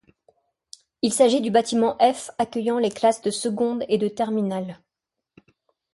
Il s’agit du bâtiment F accueillant les classes de seconde et de terminale.